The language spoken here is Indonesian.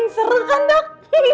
seru kan dok